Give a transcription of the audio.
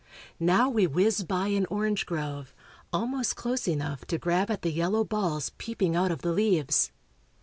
Now we whiz by an orange grove, almost close enough to grab at the yellow balls peeping out of the leaves.